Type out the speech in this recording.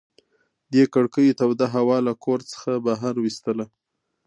دې کړکیو توده هوا له کور څخه بهر ویستله.